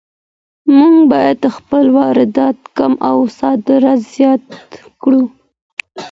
مونږ بايد خپل واردات کم او صادرات زيات کړو.